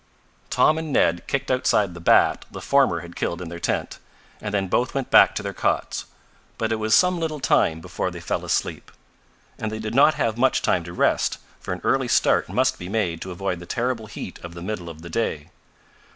Tom and Ned kicked outside the bat the former had killed in their tent, and then both went back to their cots. But it was some little time before they fell asleep. And they did not have much time to rest, for an early start must be made to avoid the terrible heat of the middle of the day.